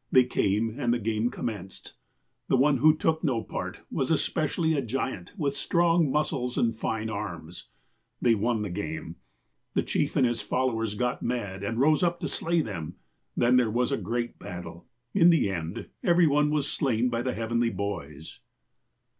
'' They came, and the game commenced. The one who took no part was especially a giant, with strong muscles and fine arms. They won the game. The chief and his followers got mad, and rose up to slay them. Then there was a great battle. In the end, every one was slain by the heavenly boys.